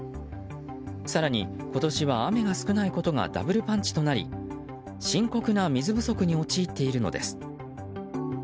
更に今年は雨が少ないことがダブルパンチとなり深刻な水不足に陥っているのです。